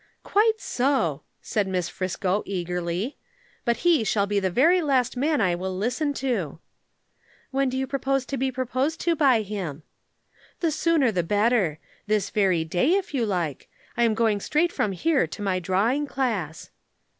"Quite so," said Miss Friscoe eagerly. "But he shall be the very last man I will listen to." "When do you propose to be proposed to by him?" "The sooner the better. This very day, if you like. I am going straight from here to my Drawing Class."